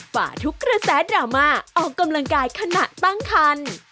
กว่าทุกกระแสดราม่าออกกำลังกายขณะตั้งคัน